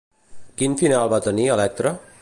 Quin final va tenir Electra?